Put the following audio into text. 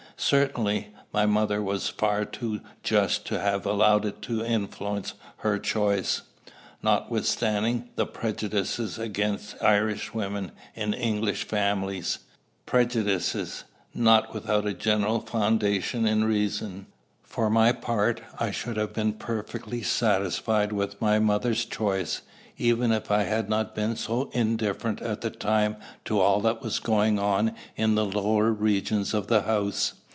Certainly, my mother was far too just to have allowed it to influence her choice, notwithstanding the prejudices against Irish women in English families, prejudices not without a general foundation in reason. For my part, I should have been perfectly satisfied with my mother's choice, even if I had not been so indifferent at the time to all that was going on in the lower regions of the house.